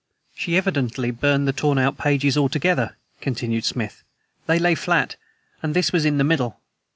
"She evidently burned the torn out pages all together," continued Smith. "They lay flat, and this was in the middle.